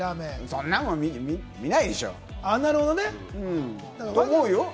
そんなもの見ないでしょ。と思うよ。